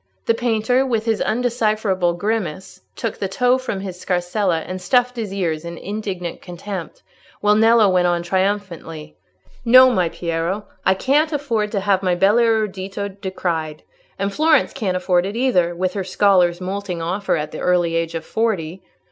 The painter, with his undecipherable grimace, took the tow from his scarsella and stuffed his ears in indignant contempt, while Nello went on triumphantly— "No, my Piero, I can't afford to have my bel erudito decried; and Florence can't afford it either, with her scholars moulting off her at the early age of forty.